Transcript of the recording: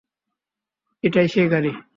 এটাই সেই গাড়ি।